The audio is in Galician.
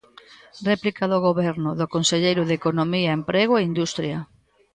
Réplica do Goberno, do conselleiro de Economía, Emprego e Industria.